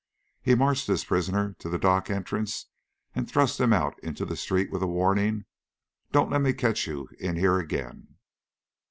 He marched his prisoner to the dock entrance and thrust him out into the street with the warning: "Don't you let me catch you in here again."